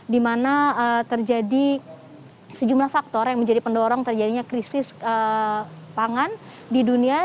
di mana terjadi sejumlah faktor yang menjadi pendorong terjadinya krisis pangan di dunia